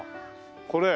これ。